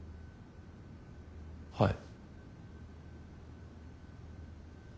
はい。